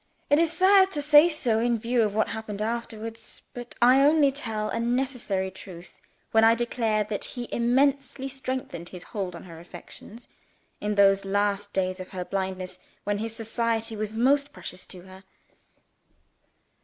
It is sad to say so, in view of what happened afterwards; but I only tell a necessary truth when I declare that he immensely strengthened his hold on her affections, in those last days of her blindness when his society was most precious to her.